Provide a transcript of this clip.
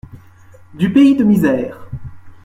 Du pays de misère.